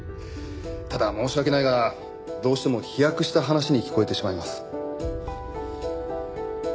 ただ申し訳ないがどうしても飛躍した話に聞こえてしまいます。